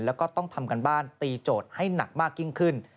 แล้วก็ต้องทำการบ้านตีโจทย์ให้หนักมากยิ่งขึ้น